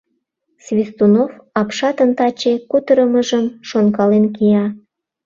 Свистунов апшатын таче кутырымыжым шонкален кия.